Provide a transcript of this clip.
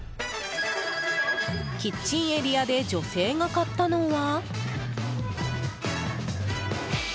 キッチンエリアで女性が買ったのは。